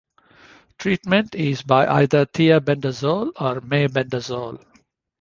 Treatment is by either thiabendazole or mebendazole.